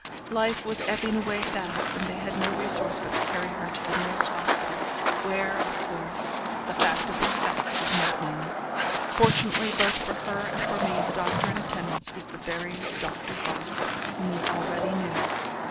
Life was ebbing away fast, and they had no resource but to carry her to the nearest hospital, where, of course, the fact of her sex was made known. Fortunately both for her and for me, the doctor in attendance was the very Doctor Voss whom we already knew.